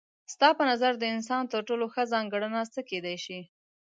ستا په نظر د انسان تر ټولو ښه ځانګړنه څه کيدای شي؟